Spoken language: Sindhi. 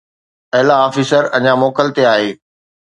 اعليٰ آفيسر اڃا موڪل تي آهي